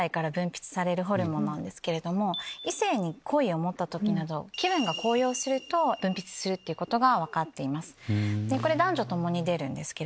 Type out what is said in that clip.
異性に好意を持った時など気分が高揚すると分泌することが分かっています。